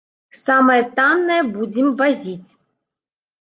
Самае таннае будзем вазіць.